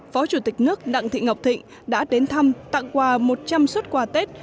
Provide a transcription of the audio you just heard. phó chủ tịch nước đặng thị ngọc thịnh đã đến thăm tặng quà một trăm linh xuất quà tết